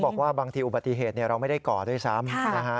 บอกว่าบางทีอุบัติเหตุเราไม่ได้ก่อด้วยซ้ำนะฮะ